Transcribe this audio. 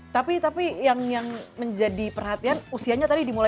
tapi tapi yang menjadikan kita berpikir itu adalah yang terbaik ya